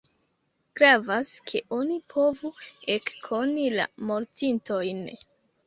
Gravas, ke oni povu ekkoni la mortintojn.